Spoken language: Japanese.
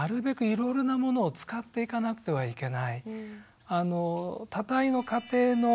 いろいろなものを使っていかなくてはいけない。